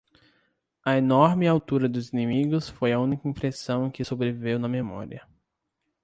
A enorme altura dos inimigos foi a única impressão que sobreviveu na memória.